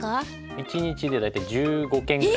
１日で大体１５軒ぐらい。